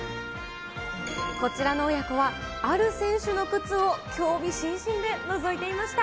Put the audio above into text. こちらの親子は、ある選手の靴を興味津々でのぞいていました。